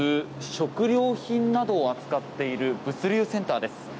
食料品などを扱っている物流センターです。